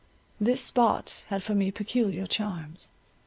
This spot had for me peculiar charms.